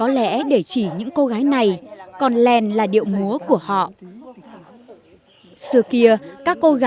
quyền nam sang